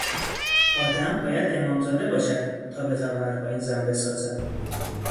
آدم باید امامزاده باشد تا بتواند با این زن بسازد!